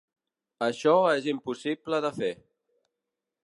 Això és impossible de fer.